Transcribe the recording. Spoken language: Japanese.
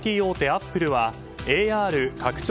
アップルはＡＲ・拡張